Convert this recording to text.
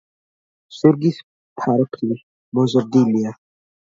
ზურგის ფარფლი მოზრდილია.